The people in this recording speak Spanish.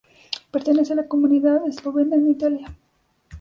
Pertenece a la comunidad eslovena en Italia.